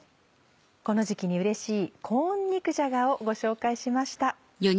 この時期にうれしい「コーン肉じゃが」をご紹介しました。